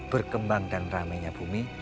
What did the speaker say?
berkembang dan ramainya bumi